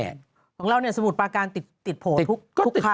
ของเราสมุดปากการติดโผล่ทุกทางตรงเลย